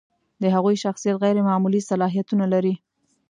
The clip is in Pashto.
د هغوی شخصیت غیر معمولي صلاحیتونه لري.